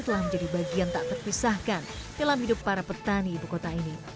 telah menjadi bagian tak terpisahkan dalam hidup para petani ibu kota ini